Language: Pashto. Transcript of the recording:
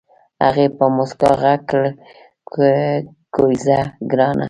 هغې په موسکا غږ کړ کېوځه ګرانه.